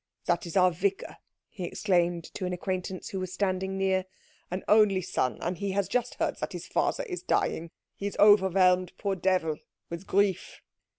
That is our vicar," he exclaimed to an acquaintance who was standing near; "an only son, and he has just heard that his father is dying. He is overwhelmed, poor devil, with grief."